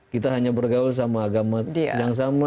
kita hanya bergaul sama agama yang sama